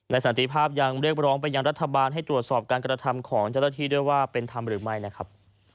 สันติภาพยังเรียกร้องไปยังรัฐบาลให้ตรวจสอบการกระทำของเจ้าหน้าที่ด้วยว่าเป็นธรรมหรือไม่นะครับ